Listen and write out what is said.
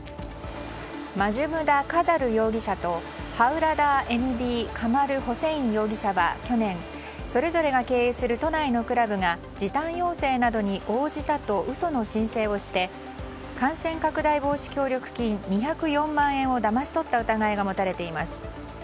マジャムダ・カジャル容疑者とハウラダー・エムディ・カマル・ホセイン容疑者は去年、それぞれが経営する都内のクラブが時短要請などに応じたと嘘の申請をして感染拡大防止協力金２０４万円をだまし取った疑いが持たれています。